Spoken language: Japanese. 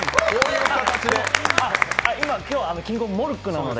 今日はキングオブモルックなので。